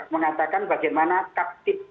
mengatakan bagaimana taktik